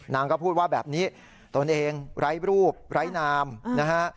นางก็พูดว่าแบบนี้ตนเองไร้รูปไร้นามนะฮะ